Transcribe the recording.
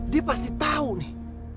dia pasti tahu nih